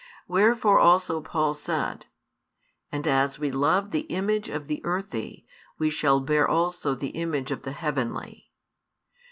Wherefore also Paul said: And as we love the image of the earthy, we shall bear also the image of the heavenly.